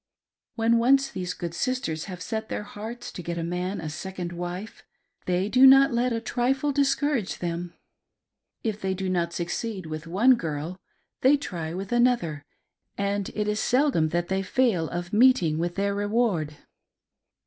When once these good sisters have set their hearts to get a man a second wife, they do not let a trifle discourage them ; if they do not succeed with one girl, they try with another, and it is seldom that they fail of meeting with their reward.